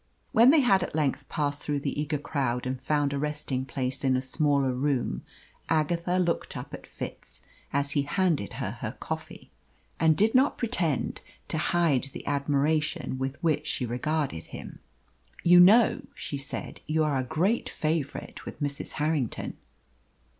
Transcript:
When they had at length passed through the eager crowd and found a resting place in a smaller room, Agatha looked up at Fitz as he handed her her coffee, and did not pretend to hide the admiration with which she regarded him. "You know," she said, "you are a great favourite with Mrs. Harrington."